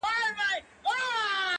o بس ده د خداى لپاره زړه مي مه خوره؛